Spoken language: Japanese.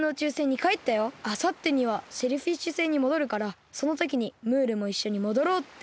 あさってにはシェルフィッシュ星にもどるからそのときにムールもいっしょにもどろうって。